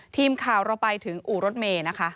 ทีมข่าวเราไปถึงอู่รถเมย์นะคะ